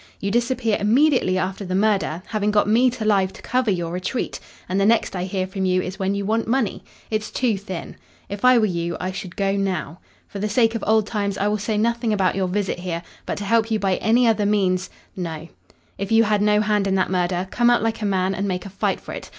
You disappear immediately after the murder, having got me to lie to cover your retreat, and the next I hear from you is when you want money. It's too thin. If I were you I should go now. For the sake of old times I will say nothing about your visit here, but to help you by any other means no. If you had no hand in that murder, come out like a man and make a fight for it.